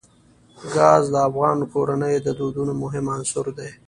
ګاز د افغان کورنیو د دودونو مهم عنصر دی.